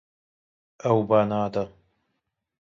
Ew ba nade.